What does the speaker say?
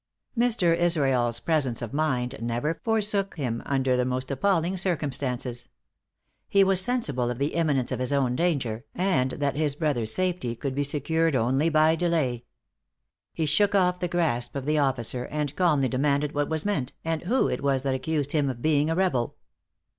Mr. Israel's presence of mind never forsook him under the most appalling circumstances. He was sensible of the imminence of his own danger, and that his brother's safety could be secured only by delay. He shook off the grasp of the officer, and calmly demanded what was meant, and who it was that accused him of being a rebel.